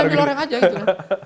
tinggal ambil orang aja gitu